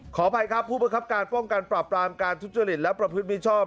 ขออภัยครับผู้ประคับการป้องกันปราบปรามการทุจริตและประพฤติมิชชอบ